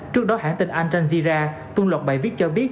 trước đó hãng tình antanzira tuôn lọc bài viết cho biết